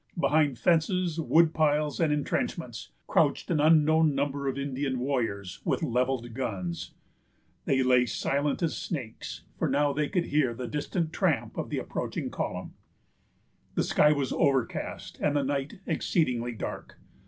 Behind fences, wood piles, and intrenchments, crouched an unknown number of Indian warriors with levelled guns. They lay silent as snakes, for now they could hear the distant tramp of the approaching column. The sky was overcast, and the night exceedingly dark.